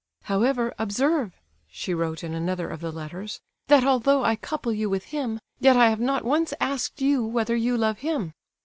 "However, observe" (she wrote in another of the letters), "that although I couple you with him, yet I have not once asked you whether you love him.